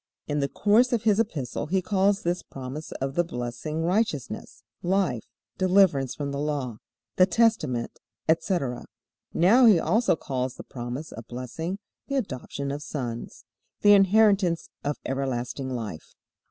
In the course of his Epistle he calls this promise of the blessing righteousness, life, deliverance from the Law, the testament, etc. Now he also calls the promise of blessing "the adoption of sons," the inheritance of everlasting life.